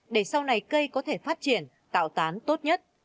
để sau này cây có thể phát triển tạo tán tốt nhất